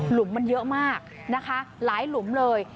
มันเยอะมากนะคะหลายหลุมเลย